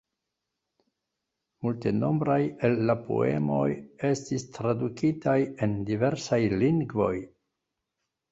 Multenombraj el la poemoj estis tradukitaj en diversaj lingvoj.